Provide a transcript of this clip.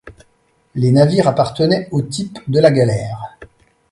Les navires appartenaient au type de la galère.